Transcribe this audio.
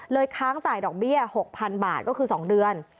ค้างจ่ายดอกเบี้ย๖๐๐๐บาทก็คือ๒เดือน